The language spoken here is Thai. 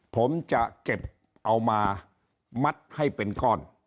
ผมจะเก็บเอามามัดให้เป็นก้อน